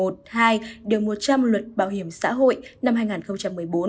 một điều một trăm linh luật bảo hiểm xã hội năm hai nghìn một mươi bốn